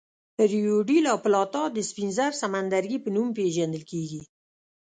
ریو ډي لا پلاتا د سپین زر سمندرګي په نوم پېژندل کېږي.